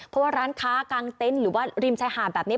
การค้ากางเต้นหรือว่าริมชายห่านแบบนี้